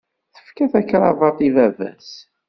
Tefka takrabaḍt i baba-s.